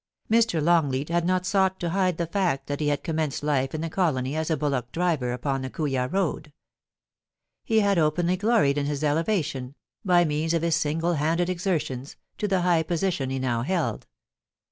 ... Mr. Longleat had not sought to hide the fact that he had commenced life in the colony as a bullock driver upon the Kooya road; he had openly gloried in his elevation, by means of his single handed exertions, to the high position he now held.